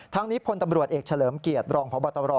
ทั้งนี้พลตำรวจเอกเฉลิมเกียรติรองพบตร